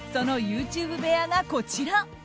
そのＹｏｕＴｕｂｅ部屋がこちら。